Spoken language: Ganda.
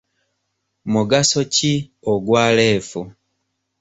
Mugaso ki ogwa leefu?